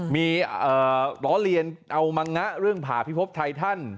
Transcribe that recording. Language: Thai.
มีล้อเลียนเอามังงะเรื่องผ่าพิพบไทยท่าน